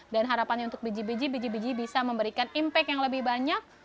dan harapannya untuk biji biji biji biji bisa memberikan impact yang lebih banyak